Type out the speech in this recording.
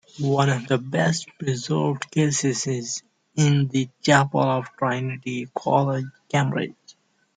One of the best preserved cases is in the chapel of Trinity College, Cambridge.